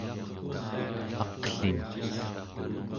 aqlin